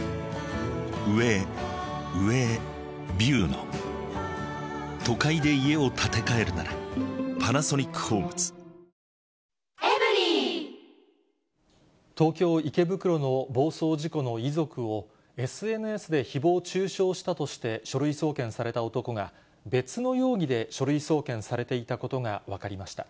子どもも乗っていたので、東京・池袋の暴走事故の遺族を、ＳＮＳでひぼう中傷したとして、書類送検された男が、別の容疑で書類送検されていたことが分かりました。